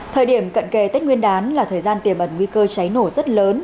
thời điểm cận kề tết nguyên đán là thời gian tiềm ẩn nguy cơ cháy nổ rất lớn